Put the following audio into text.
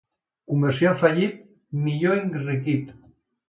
Comerciant fallit, millor enriquit.